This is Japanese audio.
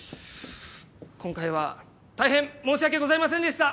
今回は大変申し訳ございませんでした！